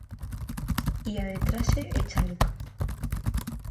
Ía de traxe e chaleco.